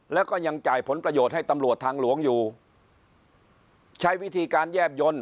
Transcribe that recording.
แล้วก็ยังจ่ายผลประโยชน์ให้ตำรวจทางหลวงอยู่ใช้วิธีการแยบยนต์